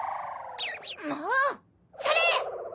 もうそれ！